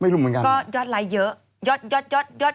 ไม่รู้เหมือนกันอ่ะก็ยอดไลน์เยอะ